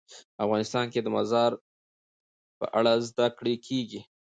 افغانستان کې د مزارشریف په اړه زده کړه کېږي.